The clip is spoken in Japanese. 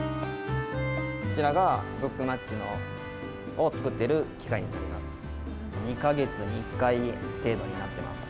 こちらがブックマッチを作っている機械になります。